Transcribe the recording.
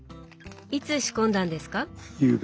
いつ仕込んだんですか？